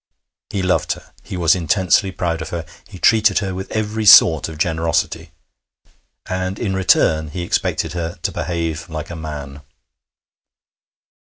He loved her. He was intensely proud of her. He treated her with every sort of generosity. And in return he expected her to behave like a man.